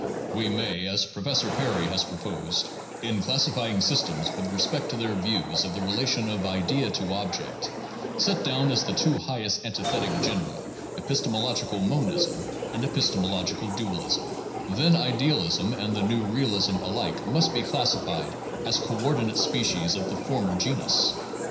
We may, as Professor Perry has proposed, 1 in classifying systems with respect to their views of the relation of idea to object, set down as the two highest antithetic genera epistemological monism and epistemological dualism; then idealism and the new realism alike must be classified as coordinate species of the former genus.